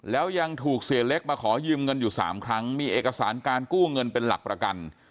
แล้วยังถูกเสียเล็กมาขอยืมเงินอยู่๓ครั้งมีเอกสารการกู้เงินเป็นหลักประกัน